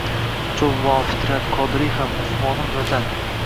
Choʻlpon, Fitrat, Qodiriy ham, Usmonim Vatan